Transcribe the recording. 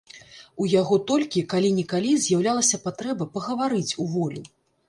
У яго толькі калі-нікалі з'яўлялася патрэба пагаварыць уволю.